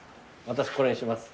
私これにします。